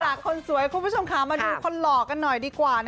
คนสวยคุณผู้ชมค่ะมาดูคนหล่อกันหน่อยดีกว่า